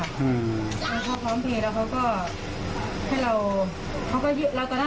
เป็นโอนเข้าพร้อมเพลค่ะแล้วเค้าก็ให้เรา